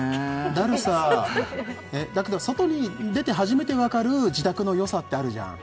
だるさだけど外に出て初めてわかる自宅のよさってあるじゃん